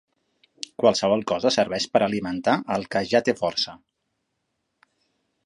Qualsevol cosa serveix per alimentar el que ja té força.